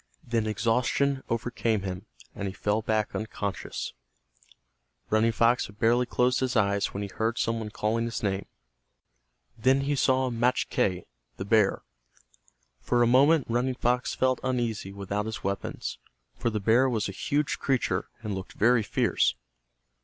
Then exhaustion overcame him, and he fell back unconscious. Running Fox had barely closed his eyes when he heard some one calling his name. Then he saw Machque, the bear. For a moment Running Fox felt uneasy without his weapons, for the bear was a huge creature and looked very fierce.